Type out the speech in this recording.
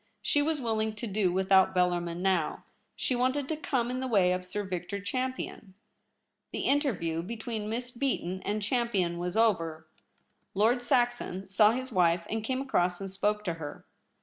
She was willing to do without Bellarmin now ; she wanted to come in the way of Sir Victor Champion. The interview between Miss Beaton and VOL. I. 3 34 THE REBEL ROSE. Champion was over. Lord Saxon saw his wife, and came across and spoke to her.